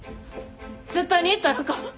絶対に行ったらあかん。